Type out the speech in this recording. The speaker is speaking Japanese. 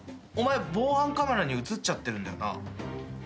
お前防犯カメラに写っちゃってるんだよな？